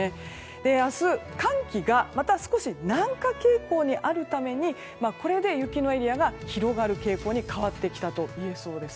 明日、寒気がまた少し軟化傾向にあるためにこれで雪のエリアが広がる傾向に変わってきたといえそうです。